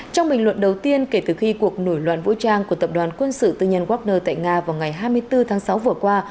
trong bình luận đầu tiên kể từ khi cuộc nổi loạn vũ trang của tập đoàn quân sự tư nhân wagner tại nga vào ngày hai mươi bốn tháng sáu vừa qua